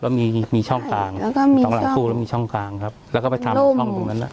แล้วมีมีช่องต่างแล้วก็มีช่องต่างครับแล้วก็ไปทำห้องตรงนั้นล่ะ